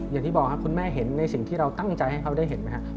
อย่างที่บอกครับคุณแม่เห็นในสิ่งที่เราตั้งใจให้เขาได้เห็นไหมครับ